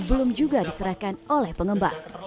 belum juga diserahkan oleh pengembang